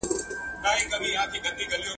هغه په پاسته کوچ کې د ارام کولو لپاره وغځېد.